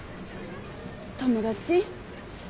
友達？